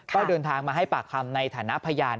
ก็เดินทางมาให้ปากคำในฐานะพยาน